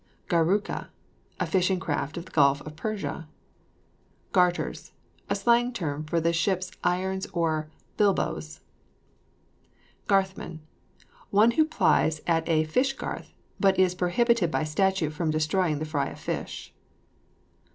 GARROOKA. A fishing craft of the Gulf of Persia. GARTERS. A slang term for the ship's irons or bilboes. GARTHMAN. One who plies at a fish garth, but is prohibited by statute from destroying the fry of fish.